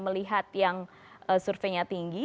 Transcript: melihat yang surveinya tinggi